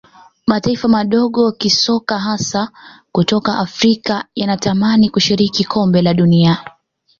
mataifa madogo kisoka hasa kutoka afrika yanatamani kushiriki kombe la dunia